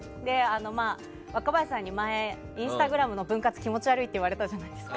若林さんに前インスタグラムの分割が気持ち悪いって言われたじゃないですか。